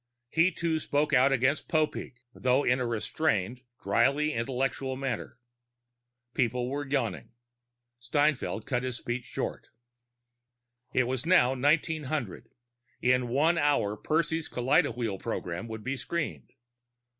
He, too, spoke out against Popeek, though in a restrained, dryly intellectual manner. People began yawning. Steinfeld cut his speech short. It was now 1900. In one hour Percy's kaleidowhirl program would be screened.